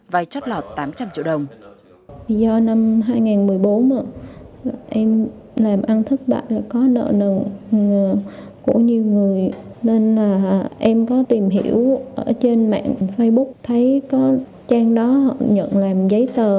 vài chót lọt tám trăm linh triệu đồng